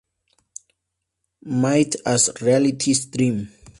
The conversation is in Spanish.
Myth as reality´s dream".